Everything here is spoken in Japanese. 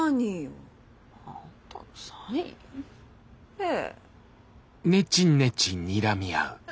ええ。